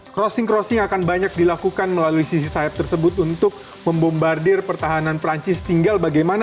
crossing crossing akan banyak dilakukan melalui sisi sayap tersebut untuk membombardir pertahanan perancis tinggal bagaimana